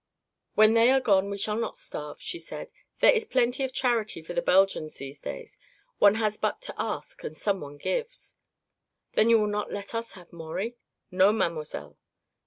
"When they are gone we shall not starve," she said. "There is plenty of charity for the Belgians these days. One has but to ask, and someone gives." "Then you will not let us have Maurie?" "No, mademoiselle."